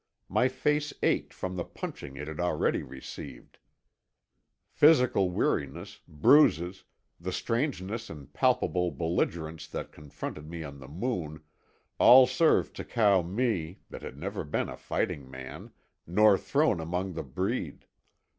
My face ached from the punching it had already received; physical weariness, bruises, the strangeness and palpable belligerence that confronted me on the Moon, all served to cow me, that had never been a fighting man, nor thrown among the breed.